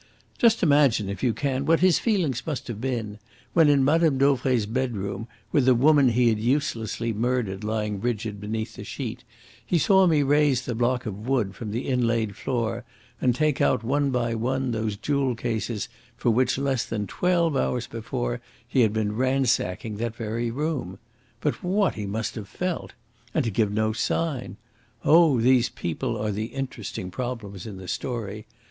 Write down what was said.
"Just imagine if you can what his feelings must have been, when in Mme. Dauvray's bedroom, with the woman he had uselessly murdered lying rigid beneath the sheet, he saw me raise the block of wood from the inlaid floor and take out one by one those jewel cases for which less than twelve hours before he had been ransacking that very room. But what he must have felt! And to give no sign! Oh, these people are the interesting problems in this story.